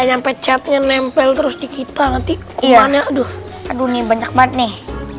sampai catnya nempel terus di kita nanti warnanya aduh aduh nih banyak banget nih